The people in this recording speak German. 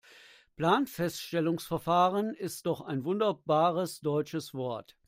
Planfeststellungsverfahren ist doch ein wunderbares deutsches Wort.